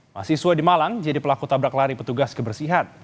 mahasiswa di malang jadi pelaku tabrak lari petugas kebersihan